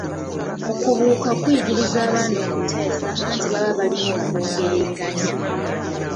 Okubuuka kuyigiriza abaana okuteesa anti baba balina okwogeraganya.